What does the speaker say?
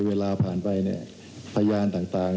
เวลาผ่านไปเนี่ยพยานต่าง